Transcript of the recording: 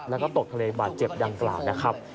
แล้วก็ตกทะเลบาดเจ็บดังกล่าวนะครับ